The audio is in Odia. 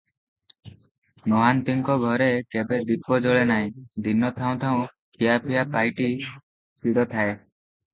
ମହାନ୍ତିଙ୍କ ଘରେ କେବେ ଦୀପ ଜଳେ ନାହିଁ, ଦିନ ଥାଉଁ ଥାଉଁ ଖିଆପିଆ ପାଇଟି ଛିଡ଼ଥାଏ ।